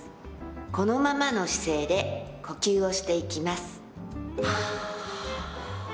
このままの姿勢で呼吸をしていきます。